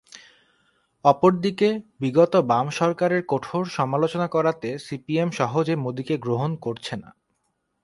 অপরদিকে বিগত বাম সরকারের কঠোর সমালোচনা করাতে সিপিএম সহজে মোদিকে গ্রহণ করছে না।